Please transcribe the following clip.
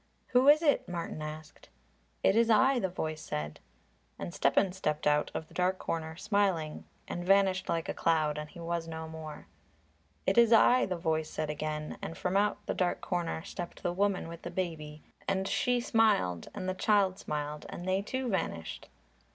"Who is it?" Martin asked. "It is I," the voice said. And Stepan stepped out of the dark corner, smiling, and vanished like a cloud, and he was no more. "It is I," the voice said again, and from out the dark corner stepped the woman with the baby, and she smiled and the child smiled, and they too vanished.